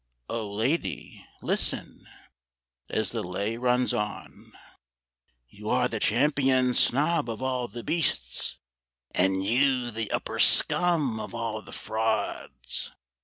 Oh, lady, listen as the lay runs on! "You are the champion snob of all the beasts!" "And you the upper scum of all the frauds."